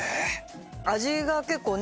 味が結構ね